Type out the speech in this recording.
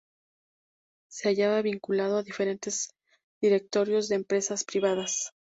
Se hallaba vinculado a diferentes directorios de empresas privadas.